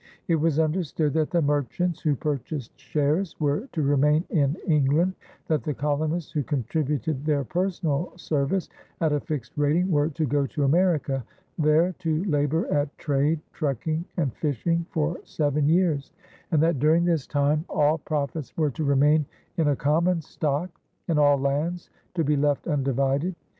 It was understood that the merchants, who purchased shares, were to remain in England; that the colonists, who contributed their personal service at a fixed rating, were to go to America, there to labor at trade, trucking, and fishing for seven years; and that during this time all profits were to remain in a common stock and all lands to be left undivided.